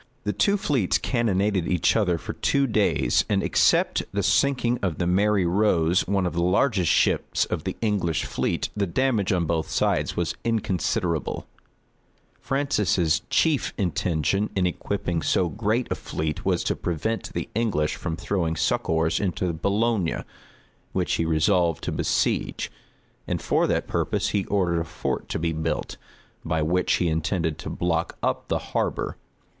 The two fleets cannonaded each other for two days; and except the sinking of the Mary Rose, one of the largest ships of the English fleet, the damage on both sides was inconsiderable. * Buchanan, lib. xv. Drummond. Beleair. Mém. du Bellai. Francis's chief intention in equipping so great a fleet, was to prevent the English from throwing succors into Boulogne, which he resolved to besiege; and for that purpose he ordered a fort to be built, by which he intended to block up the harbor.